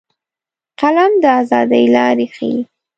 قلم د ازادۍ لارې ښيي